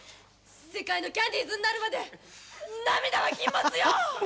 世界のキャンディーズになるまで涙は禁物よ！